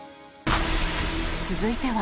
続いては